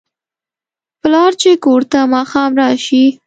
پلار چې کور ته ماښام راشي